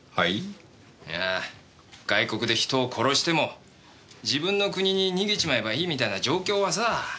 いや外国で人を殺しても自分の国に逃げちまえばいいみたいな状況はさ。